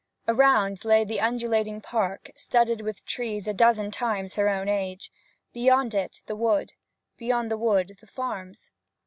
Around lay the undulating park, studded with trees a dozen times her own age; beyond it, the wood; beyond the wood, the farms.